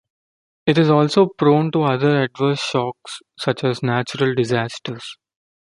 It is also prone to other adverse shocks such as natural disasters.